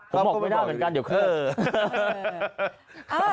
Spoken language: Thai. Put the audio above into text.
ผมบอกไม่ได้เหมือนกันเดี๋ยวเครื่อง